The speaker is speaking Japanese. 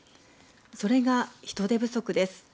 それが人手不足です。